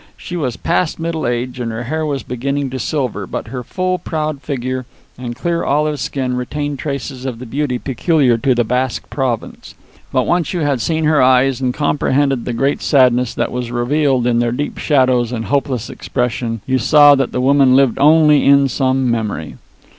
She was past middle age, and her hair was beginning to silver, but her full, proud figure and clear olive skin retained traces of the beauty peculiar to the Basque province. But, once you had seen her eyes, and comprehended the great sadness that was revealed in their deep shadows and hopeless expression, you saw that the woman lived only in some memory.